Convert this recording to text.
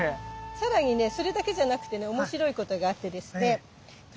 更にねそれだけじゃなくてねおもしろいことがあってですね。